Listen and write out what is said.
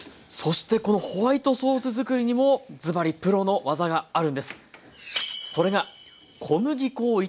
そしてこのホワイトソース作りにもズバリプロの技があるんです。